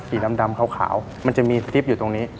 สีดำขาวมันจะมีสติปอยู่ตรงนี้